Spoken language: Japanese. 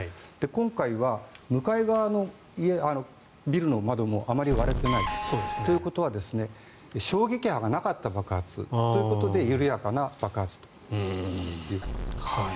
今回は向かい側のビルの窓もあまり割れていないということは衝撃波がなかった爆発ということで緩やかな爆発ということです。